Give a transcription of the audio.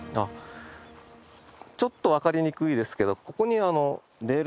ちょっと分かりにくいですけどここに。